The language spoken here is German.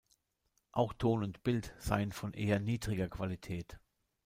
Auch Ton und Bild seien von eher niedriger Qualität.